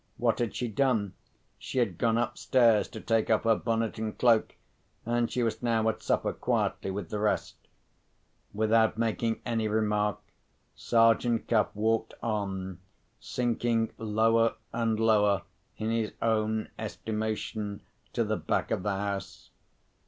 What had she done? She had gone upstairs to take off her bonnet and cloak—and she was now at supper quietly with the rest. Without making any remark, Sergeant Cuff walked on, sinking lower and lower in his own estimation, to the back of the house.